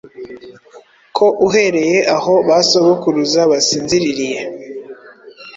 Ko uhereye aho ba sogokuruza basinziririye,